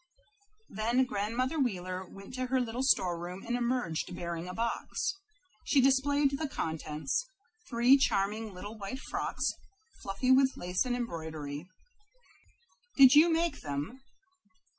Then Grandmother Wheeler went to her little storeroom and emerged bearing a box. She displayed the contents three charming little white frocks fluffy with lace and embroidery. "Did you make them?"